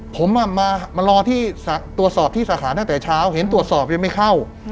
ผมมารอที่ตรวจสอบที่สาขาตั้งแต่เช้าเห็นตรวจสอบยังไม่เข้า